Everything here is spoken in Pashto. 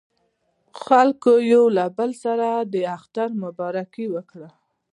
خلکو یو له بل سره د اختر مبارکۍ وکړې.